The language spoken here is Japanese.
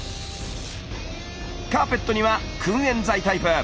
カーペットにはくん煙剤タイプ。